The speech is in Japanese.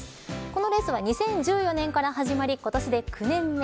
このレースは２０１４年から始まり今年で９年目。